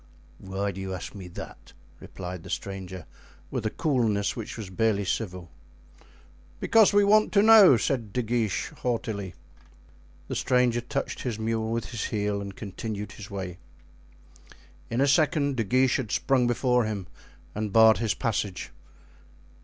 "Why do you ask me that?" replied the stranger, with a coolness which was barely civil. "Because we want to know," said De Guiche, haughtily. The stranger touched his mule with his heel and continued his way. In a second De Guiche had sprung before him and barred his passage.